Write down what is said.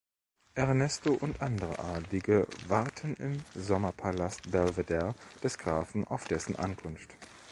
Ernesto und andere Adelige warten im Sommerpalast Belvedere des Grafen auf dessen Ankunft.